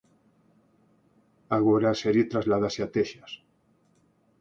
Agora a serie trasládase a Texas.